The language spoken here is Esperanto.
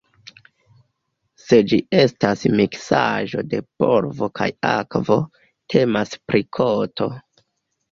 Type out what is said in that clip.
Se ĝi estas miksaĵo de polvo kaj akvo, temas pri koto.